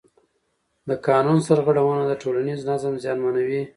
د قانون سرغړونه د ټولنیز نظم زیانمنوي